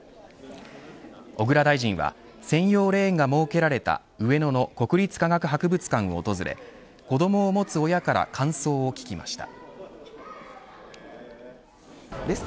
小倉大臣は専用レーンが設けられた上野の国立科学博物館を訪れ子どもを持つ親から感想を聞きました。